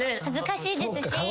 恥ずかしいですし。